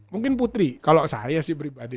mungkin putri kalau saya sih pribadi